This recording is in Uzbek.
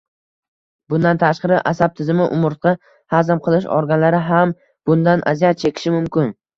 Bundan tashqari asab tizimi, umurtqa, hazm qilish organlari ham bundan aziyat chekishi mumkin.